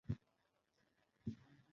আসামে একটু অক্ষম হয়ে পড়েছিলাম।